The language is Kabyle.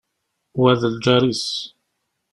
Wa d lǧar-is.